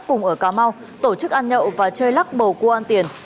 cùng ở cà mau tổ chức ăn nhậu và chơi lắc bầu cua ăn tiền